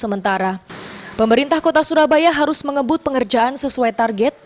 sementara pemerintah kota surabaya harus mengebut pengerjaan sesuai target